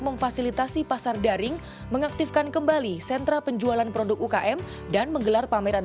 memfasilitasi pasar daring mengaktifkan kembali sentra penjualan produk ukm dan menggelar pameran